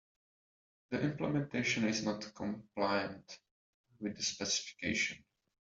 The implementation is not compliant with the specification.